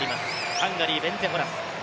ハンガリー、ベンツェ・ホラス。